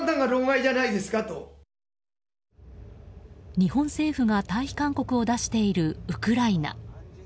日本政府が退避勧告を出しているウクライナ。